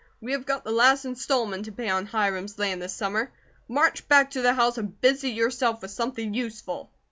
We have got the last installment to pay on Hiram's land this summer. March back to the house and busy yourself with something useful!"